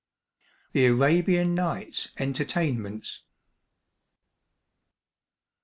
"The Arabian Nights Entertainments."